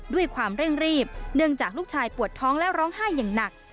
ด้วยความเร่งรีบเนื่องจากลูกชายปวดท้องและร้องไห้อย่างหนัก